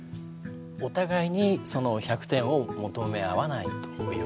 お互いにその１００点を求め合わないという。